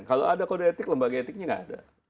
kalau ada kode etik lembaga etiknya nggak ada